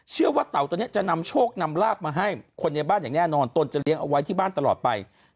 เชื่อว่าเป็นตัวจะนำลูกภาษามาให้คนในบ้านอย่างแน่นอนเราจะเลี้ยงเอาไว้ที่บ้านตลอดไป